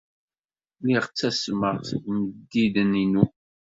Lliɣ ttasmeɣ seg yimeddiden-inu.